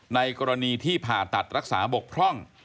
ในกรณีที่ผ่าตัดรักษาบกพร่อง